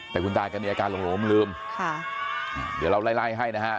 แต่คุณตาก็มีอาการหลงลืมค่ะเดี๋ยวเราไล่ไล่ให้นะฮะ